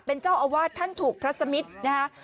เป็นเจ้าอาวาสท่านถูกพระสมิทนะฮะ